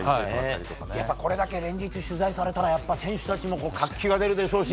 これだけ連日取材されたら選手たちも活気が出るだろうし。